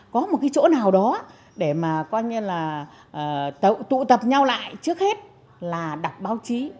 có một cái chỗ nào đó để mà coi như là tụ tập nhau lại trước hết là đọc báo chí